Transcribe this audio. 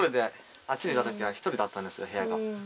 あっちにいたときは１人だったんですねへやが。